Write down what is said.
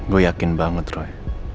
gue yakin banget roy